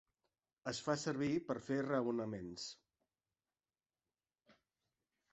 Es fa servir per fer raonaments.